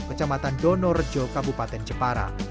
kecamatan donorjo kabupaten jepara